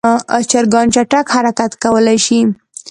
چرګان چټک حرکت کولی شي.